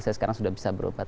saya sekarang sudah bisa berobat